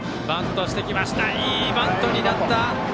いいバントになった。